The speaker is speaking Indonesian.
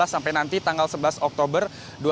dua ribu delapan belas sampai nanti tanggal sebelas oktober